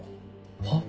はっ？